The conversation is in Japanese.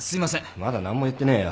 まだ何も言ってねえよ。